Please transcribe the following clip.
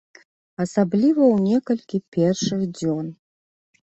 Асабліва ў некалькі першых дзён.